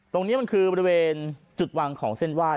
ตรงนี้มันคือบริเวณจุดวางของเส้นไหว้